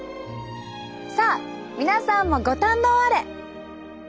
さあ皆さんもご堪能あれ！